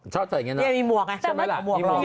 เพราะเมื่อกี้ก่อนเข้าโบสถ์ก็โปรดอีก